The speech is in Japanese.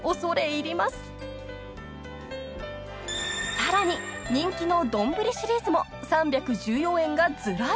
［さらに人気の丼シリーズも３１４円がずらり］